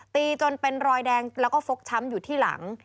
ตีจนเป็นรอยแดงแล้วก็ฟกช้ำอยู่ที่หลัง